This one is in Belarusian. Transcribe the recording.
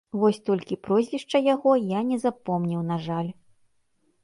Вось толькі прозвішча яго я не запомніў, на жаль.